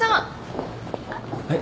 はい。